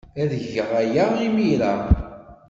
Ad geɣ aya imir-a.